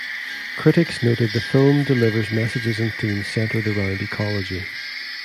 Critics noted the film delivers messages and themes centered around ecology.